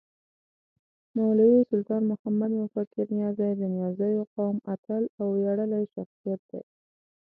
مولوي سلطان محمد مفکر نیازی د نیازيو قوم اتل او وياړلی شخصیت دی